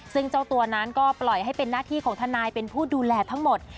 ซึ่งเจ้าตัวนั้นก็ปล่อยให้เป็นหน้าที่ของทนายเป็นผู้ดูแลทั้งหมด